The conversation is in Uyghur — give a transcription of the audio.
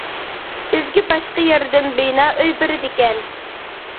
بىزگە باشقا يەردىن بىنا ئۆي بېرىدىكەن.